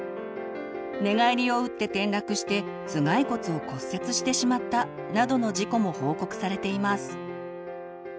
寝返りを打って転落して頭蓋骨を骨折してしまった。などの事故も報告されています。